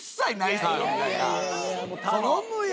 頼むよ。